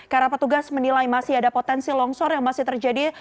karena petugas menilai masih ada potensi longsor yang masih terjadi